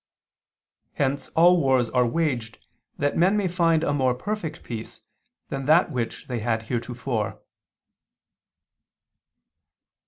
Hence all wars are waged that men may find a more perfect peace than that which they had heretofore.